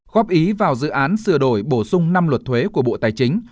góp ý vào dự án sửa đổi bổ sung năm luật thuế của bộ tài chính